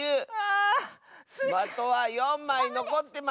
まとは４まいのこってます。